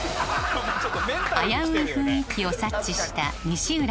危うい雰囲気を察知した西浦